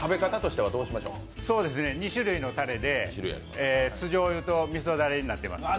２種類のたれで酢じょうゆとみそダレになっています。